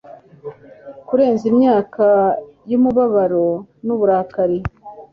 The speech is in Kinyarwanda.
Kurenza imyaka yumubabaro nuburakari